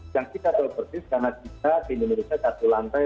yang kita tahu persis karena kita di indonesia satu lantai